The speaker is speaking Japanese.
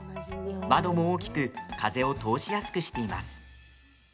窓も大きく風を通しやすくしています。